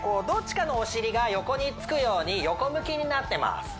どっちかのお尻が横につくように横向きになってます